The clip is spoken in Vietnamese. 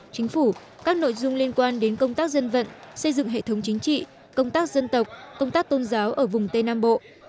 chính phủ các nội dung liên quan đến công tác dân vận xây dựng hệ thống chính trị công tác dân tộc công tác tôn giáo ở vùng tây nam bộ